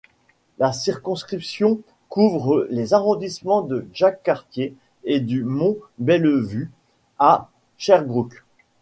La circonscription couvre les arrondissements de Jacques-Cartier et du Mont-Bellevue à Sherbrooke.